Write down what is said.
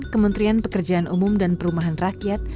kementerian pekerjaan umum dan perumahan rakyat